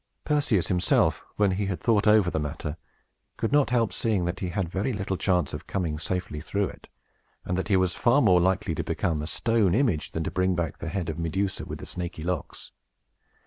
Perseus himself, when he had thought over the matter, could not help seeing that he had very little chance of coming safely through it, and that he was far more likely to become a stone image than to bring back the head of Medusa with the snaky locks.